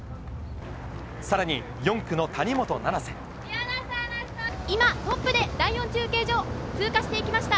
さらに、今、トップで第４中継所、通過していきました。